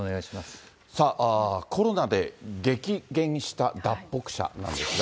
さあ、コロナで激減した脱北者なんですが。